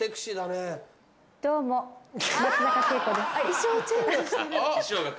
衣装チェンジしてる。